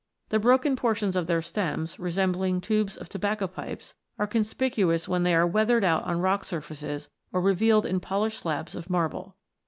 The broken portions of their stems, resembling tubes of tobacco pipes, are conspicuous when they are weathered out on rock surfaces or revealed in polished slabs of marble.